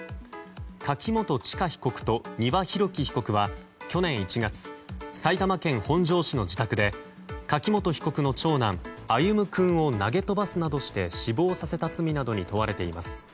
柿本知香被告と丹羽洋樹被告は去年１月、埼玉県本庄市の自宅で柿本被告の長男歩夢君を投げ飛ばすなどして死亡させた罪などに問われています。